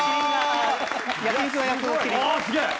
すげえ！